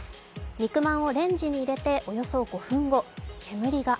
肉まんをレンジに入れておよそ５分後、煙が。